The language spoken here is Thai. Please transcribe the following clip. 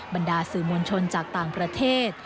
บรรดาสื่อมวลชนจากต่างประเทศ